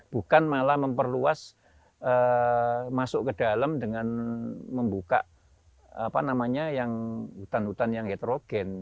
bukan malah memperluas masuk ke dalam dengan membuka hutan hutan yang heterogen